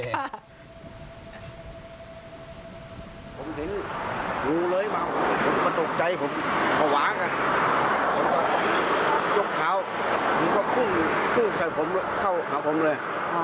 ผมถึงงูเลยมาผมก็ตกใจผมก็หวานอ่ะยกเท้าผมก็พึ่งพึ่งชัดผมเข้าหาผมเลยอ๋อ